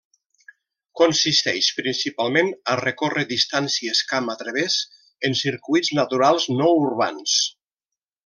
Consisteix principalment a recórrer distàncies camp a través en circuits naturals no urbans.